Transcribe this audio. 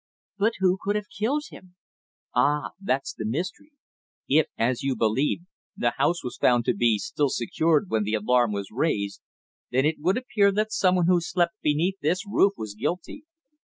"But who could have killed him?" "Ah! that's the mystery. If, as you believe, the house was found to be still secured when the alarm was raised, then it would appear that someone who slept beneath this roof was guilty."